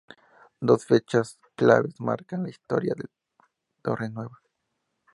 Dos fechas claves marcan la historia de Torrenueva.